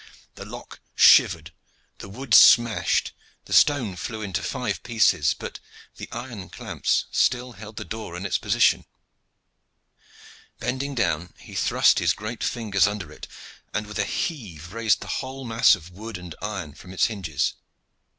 The lock shivered, the wood smashed, the stone flew into five pieces, but the iron clamps still held the door in its position. Bending down, he thrust his great fingers under it, and with a heave raised the whole mass of wood and iron from its hinges.